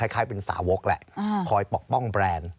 คล้ายเป็นสาวกแหละคอยปกป้องแบรนด์